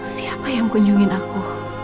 siapa yang kunjungin aku